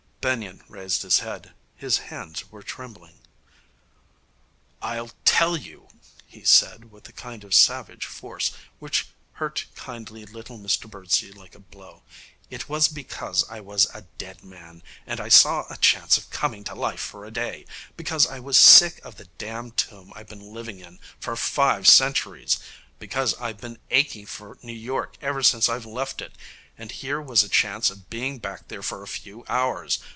Benyon raised his head. His hands were trembling. 'I'll tell you,' he said with a kind of savage force, which hurt kindly little Mr Birdsey like a blow. 'It was because I was a dead man, and saw a chance of coming to life for a day; because I was sick of the damned tomb I've been living in for five centuries; because I've been aching for New York ever since I've left it and here was a chance of being back there for a few hours.